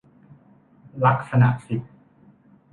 ลักษณะสิบ